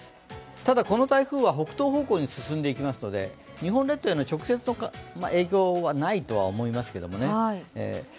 ただ、この台風は北東方向に進んでいきますので、日本列島への直接の影響はないとは思いますけどね。